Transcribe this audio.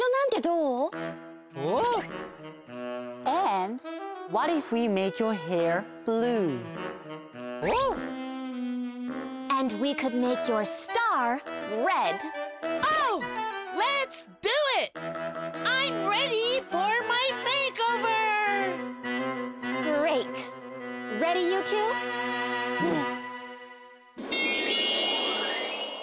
うん！